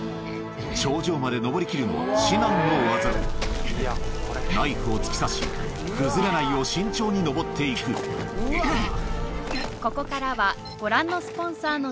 頂上まで登りきるのは至難の業ナイフを突き刺し崩れないよう慎重に登って行くそしてうっうぅ。